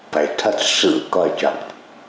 phải thật sự coi trọng